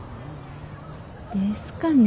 ですかね。